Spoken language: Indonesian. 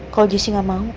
kalau jessy gak mau